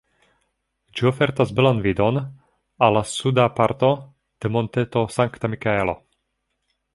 Ĝi ofertas belan vidon al la suda parto de Monteto Sankta-Mikaelo.